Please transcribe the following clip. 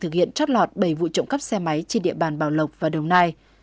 thực hiện trót lọt bảy vụ trộm cắp xe máy trên địa bàn bảo lộc và đồng nai